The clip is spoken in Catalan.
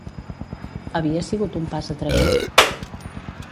Havia sigut un pas atrevit?